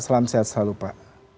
selam sehat selalu pak